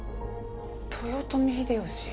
豊臣秀吉。